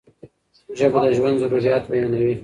ژبه د ژوند ضروريات بیانوي.